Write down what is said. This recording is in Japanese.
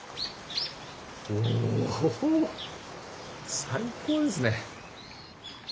おお最高ですね。